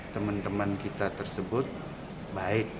teman teman kita tersebut baik